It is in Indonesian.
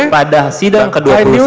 pada sidang ke dua puluh satu